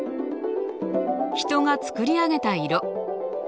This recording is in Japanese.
人が作り上げた色。